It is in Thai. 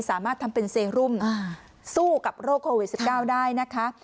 สามารถทำเป็นเซรุมสู้กับโรคโควิด๑๙ได้นะคะ